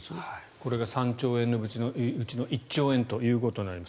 これが３兆円のうちの１兆円ということになります。